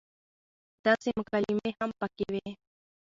داسې مکالمې هم پکې وې